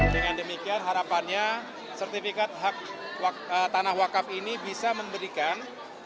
dengan demikian harapannya sertifikat hak tanah wakaf ini bisa memberikan